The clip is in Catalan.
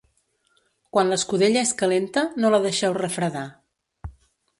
Quan l'escudella és calenta, no la deixeu refredar.